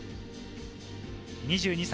２２歳。